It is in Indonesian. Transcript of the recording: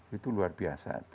itu luar biasa itu